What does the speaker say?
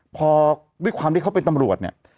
พอด้วยความที่เขาเป็นตำรวจเนี่ย